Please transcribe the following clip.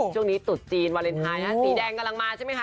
ตุดจีนวาเลนไทยสีแดงกำลังมาใช่ไหมคะ